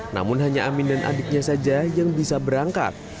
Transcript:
namun hanya amin dan adiknya saja yang bisa berangkat